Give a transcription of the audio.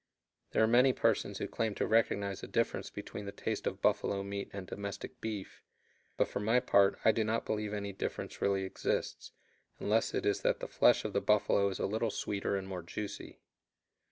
There are many persons who claim to recognize a difference between the taste of buffalo meat and domestic beef; but for my part I do not believe any difference really exists, unless it is that the flesh of the buffalo is a little sweeter and more juicy.